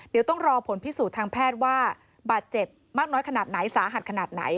เดี๋ยวต้องรอผลพิสูจน์ทางแพทย์ว่าบาดเจ็บมากน้อยขนาดไหนสาหัสขนาดไหน